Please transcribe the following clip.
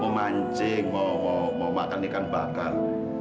mau mancing mau makan ikan bakar